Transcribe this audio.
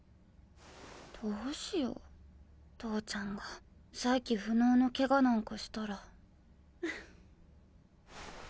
どうしよう投ちゃんが再起不能のケガなんかしたら。